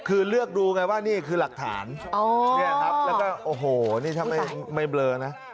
คือเลือกดูไงว่านี่คือหลักฐานโหแล้วก็โอ้ผมัยเล่านะ